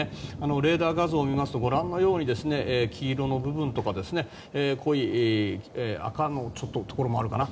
レーダー画像を見ますとご覧のように黄色い部分とか濃い赤のところもあるかな。